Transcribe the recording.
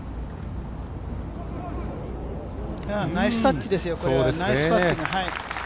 ナイスタッチです、ナイスパッティング。